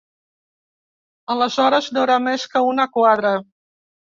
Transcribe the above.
Aleshores no era més que una quadra.